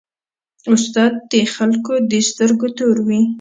استاد د خلکو د سترګو تور وي.